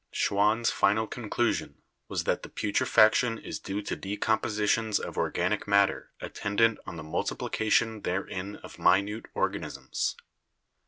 Schwann's final con clusion was "that putrefaction is due to decompositions of organic matter attendant on the multiplication therein of minute organisms.